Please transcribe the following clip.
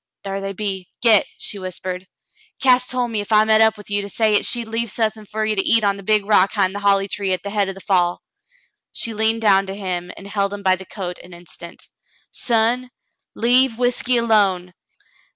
"Thar they be. Git," she whispered. "Cass tol' me ef I met up with ye, to say 'at she'd leave suthin' fer ye to eat on the big rock 'hind the holly tree at the head o' the fall." She leaned down to him and held him by the coat an instant, "Son, leave whiskey alone.